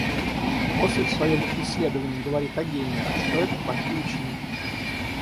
Освальд в своем исследовании говорит о гениях, что это плохие ученики.